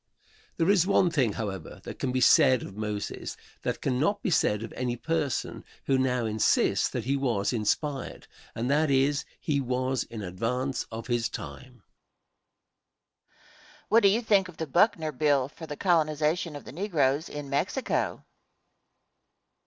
There is one thing, however, that can be said of Moses that cannot be said of any person who now insists that he was inspired, and that is, he was in advance of his time. Question. What do you think of the Buckner Bill for the colonization of the negroes in Mexico?